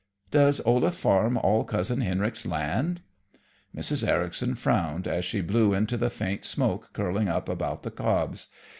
"Does Olaf farm all Cousin Henrik's land?" Mrs. Ericson frowned as she blew into the faint smoke curling up about the cobs.